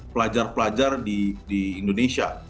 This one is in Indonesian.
pelajar pelajar di indonesia